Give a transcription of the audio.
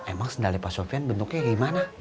emang sendalnya pak sopian bentuknya gimana